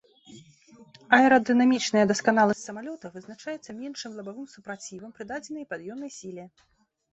Аэрадынамічная дасканаласць самалёта вызначаецца меншым лабавым супрацівам пры дадзенай пад'ёмнай сіле.